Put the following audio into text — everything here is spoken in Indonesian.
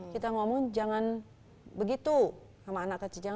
kita ngomong jangan begitu sama anak kecil